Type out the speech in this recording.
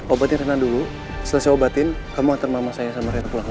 obatin rena dulu setelah saya obatin kamu antar mama saya sama rena pulang ya